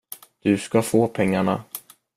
Du ska få pengarna.